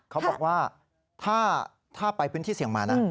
เขาบอกว่าถ้าไปพื้นที่เสี่ยงมานะ